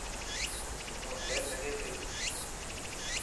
تون هلي سگھي پئي.